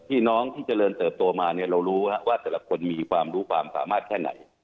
พี่น้องที่เจริญเติบโตมาเนี่ยเรารู้ว่าแต่ละคนมีความรู้ความสามารถแค่ไหน